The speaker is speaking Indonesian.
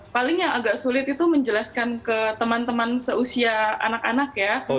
paling yang agak sulit itu menjelaskan ke teman teman seusia anak anak ya